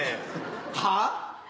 はあ？